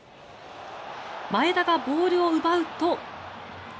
前田がボールを奪うと。